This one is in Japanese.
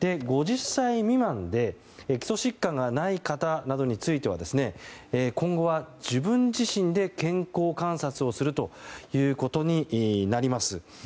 ５０歳未満で基礎疾患がない方などについては今後は自分自身で健康観察をすることになります。